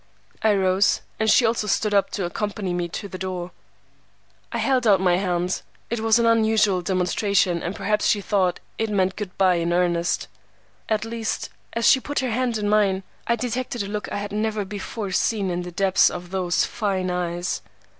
"I rose, and she also stood up to accompany me to the door. I held out my hand. It was an unusual demonstration, and perhaps she thought it meant good by in earnest. At least, as she put her hand in mine, I detected a look I had never before seen in the depths of those fine eyes.